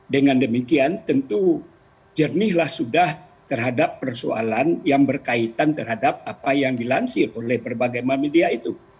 dengan demikian tentu jernihlah sudah terhadap persoalan yang berkaitan terhadap apa yang dilansir oleh berbagai media itu